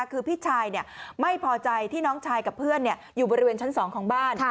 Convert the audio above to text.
คือพี่ชายไม่พอใจที่น้องชายกับเพื่อนอยู่บริเวณชั้น๒ของบ้าน